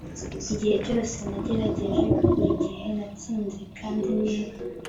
igihe cyose nagerageje, burigihe natsinze kandi niba